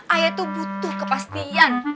ayah tuh butuh kepastian